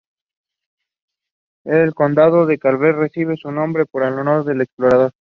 El condado de Carver recibe su nombre en honor de este explorador.